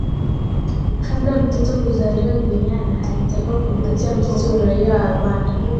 Kabla mtoto kuzaliwa Juliana alitakiwa kumpatia mtoto uraia wa Rwanda